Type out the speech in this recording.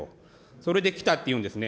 それで来たって言うんですね。